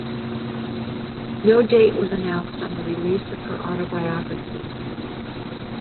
No date was announced on the release of her autobiography.